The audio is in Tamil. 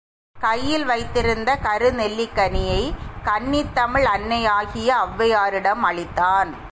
கையில் வைத்திருந்த கருநெல்லிக்கனியைக் கன்னித்தமிழ் அன்னையாகிய ஒளவையாரிடம் அளித்தான்.